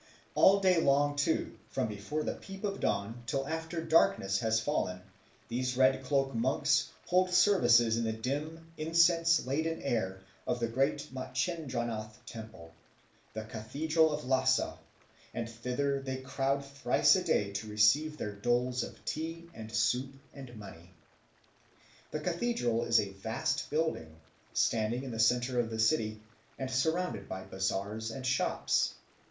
All day long, too, from before the peep of dawn till after darkness has fallen, these red cloaked monks hold services in the dim incense laden air of the great Machindranath temple, the cathedral of Lhasa; and thither they crowd thrice a day to receive their doles of tea and soup and money. The cathedral is a vast building, standing in the centre of the city, and surrounded by bazaars and shops.